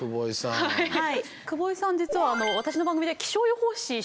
はい。